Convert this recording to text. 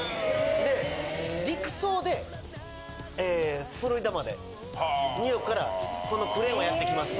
で陸送でフロリダまでニューヨークからこのクレーンはやってきます。